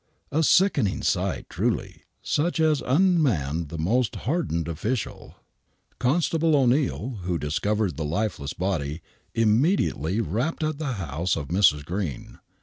A sickening sight, truly, such as unmanned the most hardened official. Constable O'Neill, who discovered the lifeless body, im mediately rapped at the house of Mrs. Green.